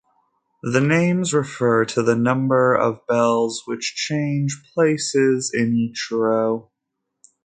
The names refer to the number of bells which change places in each row.